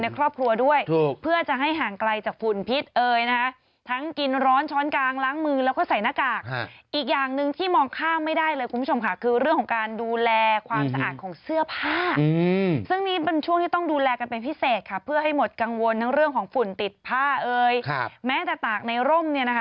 ครอบครัวด้วยถูกเพื่อจะให้ห่างไกลจากฝุ่นพิษเอยนะคะทั้งกินร้อนช้อนกลางล้างมือแล้วก็ใส่หน้ากากอีกอย่างหนึ่งที่มองข้ามไม่ได้เลยคุณผู้ชมค่ะคือเรื่องของการดูแลความสะอาดของเสื้อผ้าซึ่งนี้เป็นช่วงที่ต้องดูแลกันเป็นพิเศษค่ะเพื่อให้หมดกังวลทั้งเรื่องของฝุ่นติดผ้าเอ่ยแม้แต่ตากในร่มเนี่ยนะคะ